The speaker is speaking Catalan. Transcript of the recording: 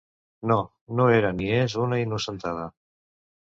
No, no era ni és una innocentada.